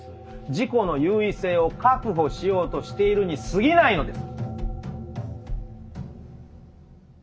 自己の優位性を確保しようとしているにすぎないのです。